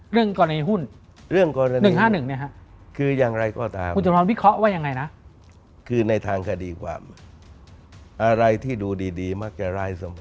เรื่องกรณีหุ้น๑๕๑เนี่ยครับคือยังไรก็ตามคุณจับมันวิเคราะห์ว่ายังไงนะคือในทางคดีความอะไรที่ดูดีมักจะร้ายเสมอ